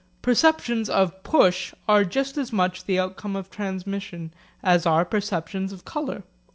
Perceptions of push are just as much the outcome of transmission as are perceptions of colour.